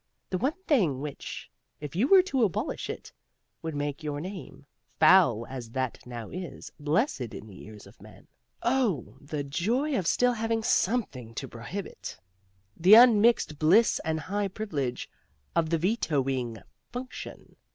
The one thing which, if you were to abolish it, would make your name, foul as that now is, blessed in the ears of men. Oh, the joy of still having something to prohibit! The unmixed bliss and high privilege of the vetoing function!